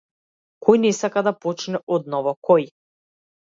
Кој не сака да почне одново, кој?